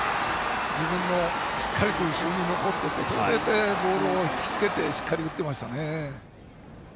しっかりと後ろに残ってそれでいて、ボールを引きつけてしっかり打ってましたね。